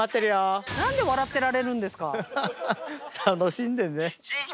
楽しんでるね。